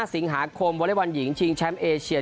๑๗๒๕สิงหาคมวันละวันหญิงชิงแชมป์เอเชีย